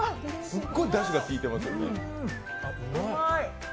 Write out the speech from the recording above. すっごいだしがきいてますよね。